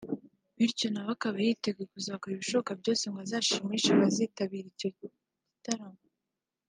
bityo nawe akaba yiteguye kuzakora ibishoboka byose ngo azashimishe abazitabira icyo gitaramo